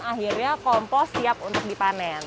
akhirnya kompos siap untuk dipanen